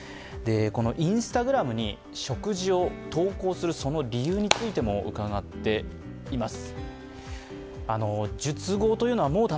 Ｉｎｓｔａｇｒａｍに食事を投稿する理由についてもうかがっています。